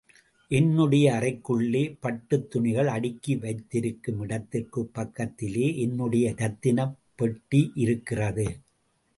என்னுடைய அறைக்குள்ளே பட்டுத் துணிகள் அடுக்கி வைத்திருக்கும் இடத்திற்குப் பக்கத்திலே என்னுடைய ரத்தினப் பெட்டியிருக்கிறது.